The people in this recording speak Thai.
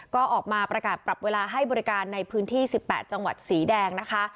ก็ออกมาประกาศปรับเวลาให้บริการในพื้นที่๑๘จังหวัดสีแดงนะคะ